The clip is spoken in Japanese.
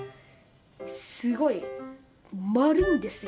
すごい丸いんですよ